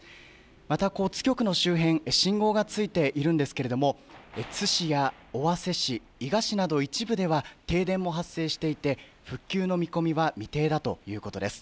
また津局の周辺、信号がついているんですけれども津市や尾鷲市、伊賀市など一部では停電も発生していて復旧の見込みは未定だということです。